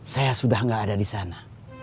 saya sudah tidak ada di sana